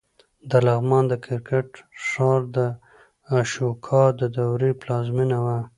د لغمان د کرکټ ښار د اشوکا د دورې پلازمېنه وه